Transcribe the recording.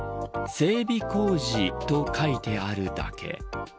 整備工事と書いてあるだけ。